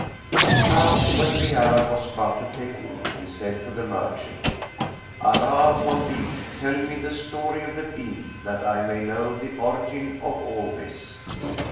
Now when the Arab was about to take leave, he said to the merchant, "Allah upon thee, tell me the story of the bean, that I may know the origin of all this."